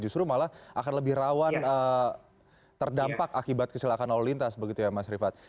justru malah akan lebih rawan terdampak akibat kecelakaan lalu lintas begitu ya mas rifat